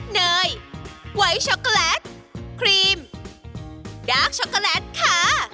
เนยไว้ช็อกโกแลตครีมดาร์กช็อกโกแลตค่ะ